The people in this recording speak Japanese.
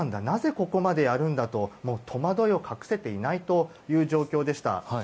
なぜここまでやるんだと戸惑いを隠せていない状況でした。